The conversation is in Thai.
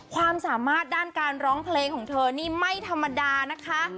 ความสามารถด้านการร้องเพลงของเธอนี่ไม่ธรรมดานะคะ